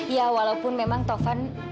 ya walaupun memang taufan